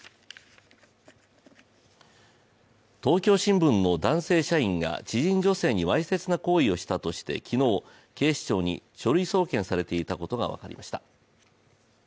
東京新聞の男性社員が知人女性にわいせつな行為をしたとして昨日、警視庁に書類送検されていたことが分かりました。